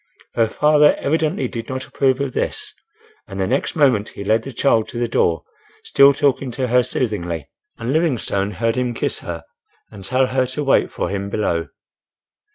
Her father evidently did not approve of this, and the next moment he led the child to the door, still talking to her soothingly, and Livingstone heard him kiss her and tell her to wait for him below.